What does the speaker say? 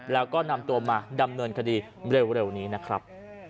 แล้วก็นำตัวมาดำเนินคดีเร็วนี้นะครับ